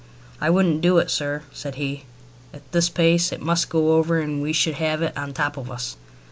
"I wouldn't do it, sir," said he. "At this pace it must go over and we should have it on the top of us."